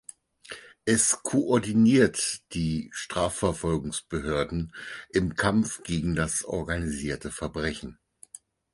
Es koordiniert die Strafverfolgungsbehörden im Kampf gegen das organisierte Verbrechen.